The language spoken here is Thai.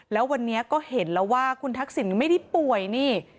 แล้ววันนี้ก็เห็นแล้วว่าคุณทักษิณไม่ได้ป่วยนี่